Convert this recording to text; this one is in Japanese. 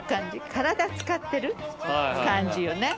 体使ってる感じよね。